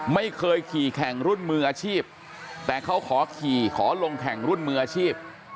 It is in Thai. ไม่เคยขี่แข่งรุ่นมืออาชีพแต่เขาขอขี่ขอลงแข่งรุ่นมืออาชีพ